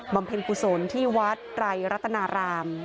บำเพลงกุศลที่วัฏไตรรตนาราม